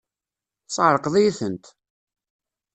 Tesεeṛqeḍ-iyi-tent!